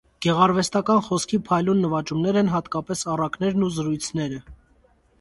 Գեղարվեստական խոսքի փայլուն նվաճումներ են հատկապես առակներն ու զրույցները։